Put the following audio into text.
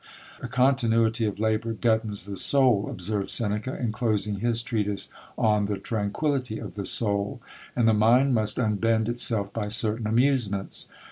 A continuity of labour deadens the soul, observes Seneca, in closing his treatise on "The Tranquillity of the Soul," and the mind must unbend itself by certain amusements.